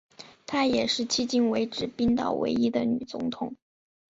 她也是迄今为止冰岛唯一的女总统。